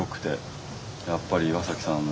やっぱり岩さんの。